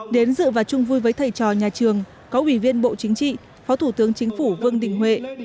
đến dự và chung vui với thầy trò nhà trường có ủy viên bộ chính trị phó thủ tướng chính phủ vương đình huệ